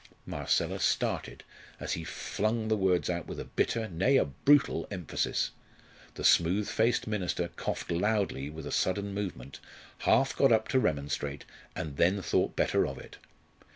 Marcella started as he flung the words out with a bitter, nay, a brutal, emphasis. The smooth faced minister coughed loudly with a sudden movement, half got up to remonstrate, and then thought better of it.